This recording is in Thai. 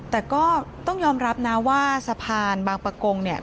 แต่ก็ต้องยอมรับนะว่าสะพานบางประกงเนี่ย